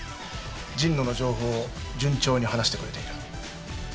神野の情報を順調に話してくれている。